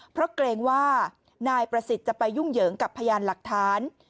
เพราะเกรงว่านายประสิทธิ์จะไปยุ่งเหยิงกับพยานหลักฐาน